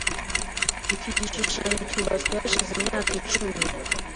Iki gishushanyo cyubatswe hashize imyaka icumi.